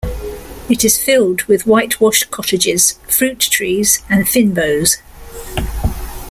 It is filled with whitewashed cottages, fruit trees and fynbos.